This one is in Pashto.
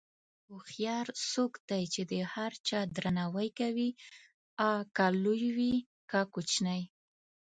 هوښیار څوک دی چې د هر چا درناوی کوي، که لوی وي که کوچنی.